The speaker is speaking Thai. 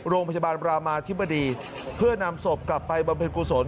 โรงพยาบาลรามาธิบดีเพื่อนำศพกลับไปบำเพ็ญกุศล